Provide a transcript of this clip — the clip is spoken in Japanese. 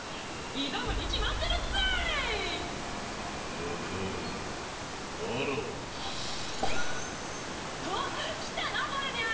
挑むに決まってるぜいよかろうならばお来たなバルニャー！